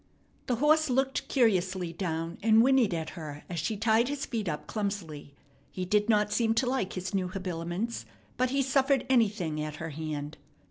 The horse looked curiously down and whinnied at her, as she tied his feet up clumsily. He did not seem to like his new habiliments, but he suffered anything at her hand.